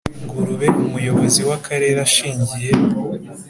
ngurube Umuyobozi w Akarere ashingiye